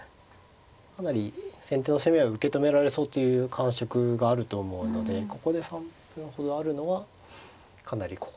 かなり先手の攻めは受け止められそうという感触があると思うのでここで３分ほどあるのはかなり心強いですかね。